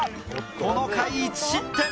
この回１失点。